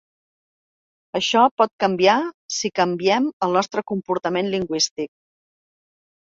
Això pot canviar si canviem el nostre comportament lingüístic.